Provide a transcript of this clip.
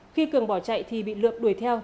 khi cường bỏ chạy thì bị lượm đuổi theo